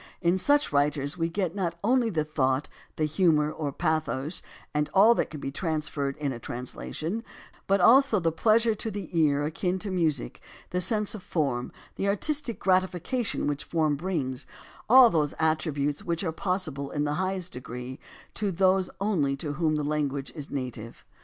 In such writers we get not only the thought, the humor, or the pathos, all that can be transferred in a trans lation, but also the pleasure to the ear akin to music, the sense of form, the artistic gratification which form brings, all those attributes which are possible in the highest degree to those only to whom the language is native.